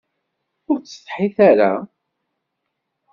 Ur tsetḥiḍ ara?